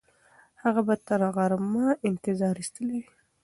هغه به تر غرمه انتظار ایستلی وي.